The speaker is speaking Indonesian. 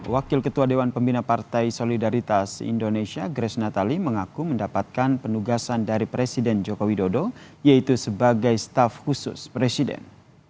wakil ketua dewan pembina partai solidaritas indonesia grace natali mengaku mendapatkan penugasan dari presiden joko widodo yaitu sebagai staf khusus presiden